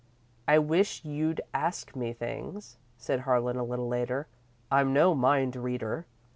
"I wish you'd ask me things," said Harlan, a little later. "I'm no mind reader.